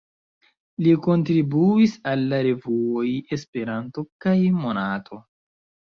Li kontribuis al la revuoj "Esperanto" kaj "Monato".